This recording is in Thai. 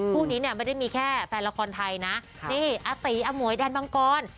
คู่นี้เนี่ยไม่ได้มีแค่แฟนละครไทยนะนี่อาตีอมวยแดนมังกร